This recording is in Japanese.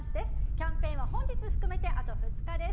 キャンペーンは本日含めてあと２日です。